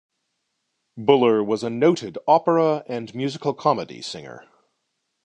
Buller was a noted opera and musical comedy singer.